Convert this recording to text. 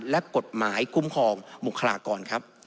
และกฎหมายคุ้มครองบุคลากรครับ